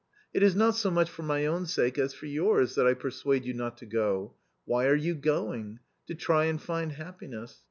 " It is not so much for my own sake as for yours, that I persuade you not to go. Why are you going ? To try and find happiness.